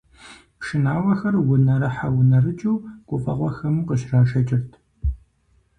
Пшынауэхэр унэрыхьэ-унэрыкӀыу гуфӀэгъуэхэм къыщрашэкӀырт.